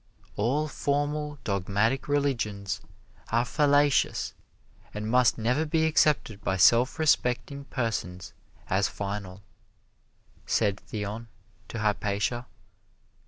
"All formal dogmatic religions are fallacious and must never be accepted by self respecting persons as final," said Theon to Hypatia.